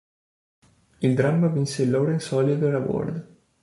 Il dramma vinse il Laurence Olivier Award.